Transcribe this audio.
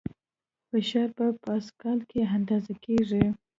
فشار په پاسکال کې اندازه کېږي.